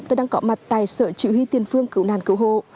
tôi đang có mặt tại sở chỉ huy tiền phương cứu nàn cứu hộ